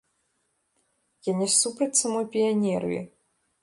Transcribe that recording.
Я не супраць самой піянерыі.